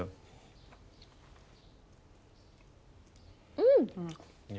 うん！